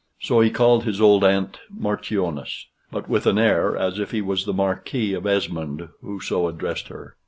So he called his old aunt Marchioness, but with an air as if he was the Marquis of Esmond who so addressed her.